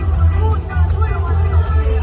มันเป็นเมื่อไหร่แล้ว